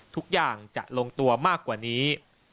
ทุกอย่างจะลงตัวมากกว่านี้